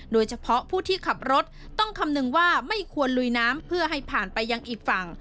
โดยเฉพาะผู้ที่ขับรถต้องคำนึงว่าไม่ควรลุยน้ำเพื่อให้ผ่านไปยังอีกฝั่ง